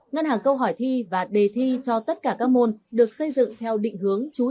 ngân hàng câu hỏi thi và tự luận